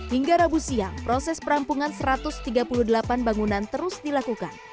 hingga rabu siang proses perampungan satu ratus tiga puluh delapan bangunan terus dilakukan